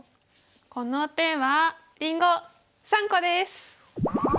この手はりんご３個です！